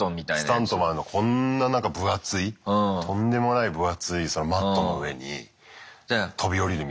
スタントマンのこんななんか分厚いとんでもない分厚いそのマットの上に飛び降りるみたいな。